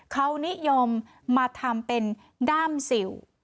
เขานิยมมาทำเป็นด้ามสิว